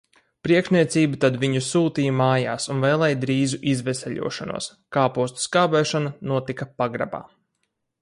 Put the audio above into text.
Priekšniecība tad viņu sūtīja mājās un vēlēja drīzu izveseļošanos. Kāpostu skābēšana notika pagrabā.